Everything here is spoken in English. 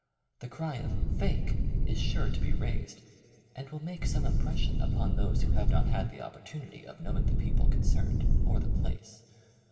The cry of fake" is sure to be raised, and will make some impression upon those who have not had the opportunity of knowing the peo ple concerned, or the place.